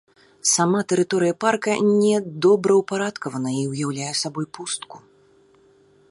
Сама тэрыторыя парка не добраўпарадкавана і ўяўляе сабой пустку.